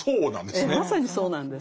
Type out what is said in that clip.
ええまさにそうなんです。